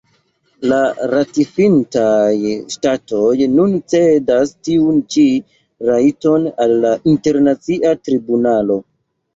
La ratifintaj ŝtatoj nun cedas tiun ĉi rajton al la Internacia Tribunalo.